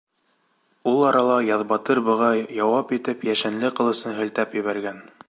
Ул арала Яҙбатыр быға яуап итеп йәшенле ҡылысын һелтәп ебәргән.